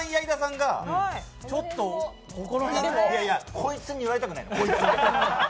こいつに言われたくない。